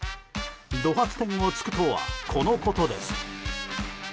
怒髪天を突くとはこのことです。